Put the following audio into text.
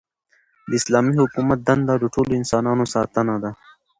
د اسلامي حکومت دنده د ټولو انسانانو ساتنه ده.